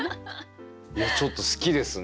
いやちょっと好きですね。